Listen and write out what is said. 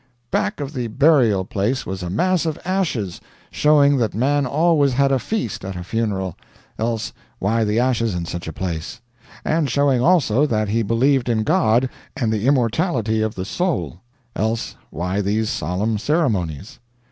"Back of the burial place was a mass of ashes, showing that Man always had a feast at a funeral else why the ashes in such a place; and showing, also, that he believed in God and the immortality of the soul else why these solemn ceremonies?